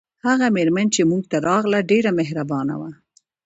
هغه میرمن چې موږ ته راغله ډیره مهربانه وه